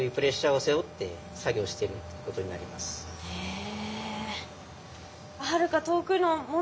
へえ。